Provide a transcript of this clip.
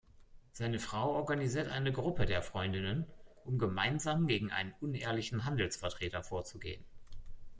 Seine Frau organisiert eine Gruppe der Freundinnen, um gemeinsam gegen einen unehrlichen Handelsvertreter vorzugehen.